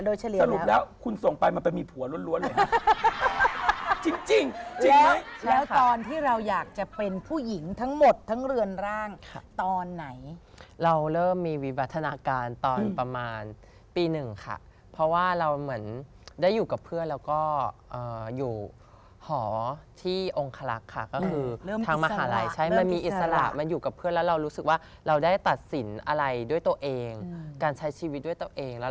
โรงเรียนชายล้วนส่งเข้าทีมฟุตบอลส่งเข้าทีมฟุตบอลส่งเข้าทีมฟุตบอลส่งเข้าทีมฟุตบอลส่งเข้าทีมฟุตบอลส่งเข้าทีมฟุตบอลส่งเข้าทีมฟุตบอลส่งเข้าทีมฟุตบอลส่งเข้าทีมฟุตบอลส่งเข้าทีมฟุตบอลส่งเข้าทีมฟุตบอลส่งเข้าทีมฟุตบอลส่ง